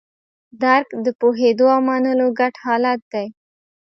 درک د پوهېدو او منلو ګډ حالت دی.